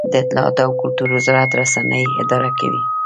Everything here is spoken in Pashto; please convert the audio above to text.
د اطلاعاتو او کلتور وزارت رسنۍ اداره کوي